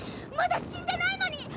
まだ死んでないのに！